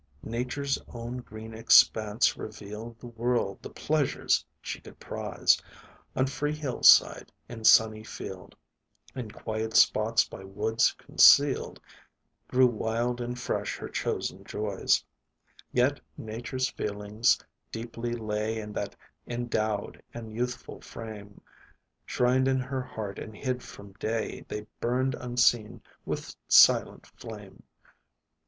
Nature's own green expanse revealed The world, the pleasures, she could prize; On free hill side, in sunny field, In quiet spots by woods concealed, Grew wild and fresh her chosen joys, Yet Nature's feelings deeply lay In that endowed and youthful frame; Shrined in her heart and hid from day, They burned unseen with silent flame.